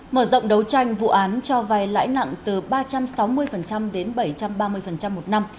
mở rộng đấu tranh vụ án cho vay lãi nặng từ ba trăm sáu mươi đến bảy trăm ba mươi một năm